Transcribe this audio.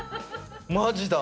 マジだ！